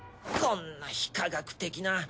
こんな非科学的な。